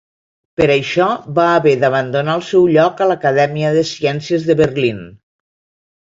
Per això va haver d'abandonar el seu lloc a l'Acadèmia de Ciències de Berlín.